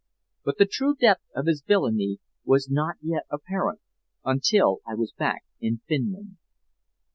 But the true depth of his villainy was not yet apparent until I was back in Finland.